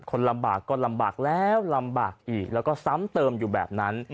คนลำบากก็ลำบากแล้วลำบากอีกแล้วก็ซ้ำเติมอยู่แบบนั้น